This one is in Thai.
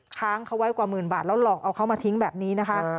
ค้างเขาไว้กว่าหมื่นบาทแล้วหลอกเอาเขามาทิ้งแบบนี้นะคะ